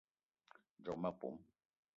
Djock ma pom